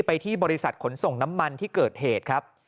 ไปที่บริษัทขนส่งน้ำมันที่เกิดเหตุครับ